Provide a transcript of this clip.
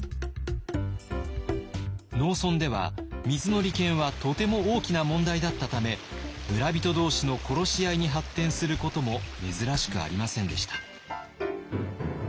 農村では水の利権はとても大きな問題だったため村人同士の殺し合いに発展することも珍しくありませんでした。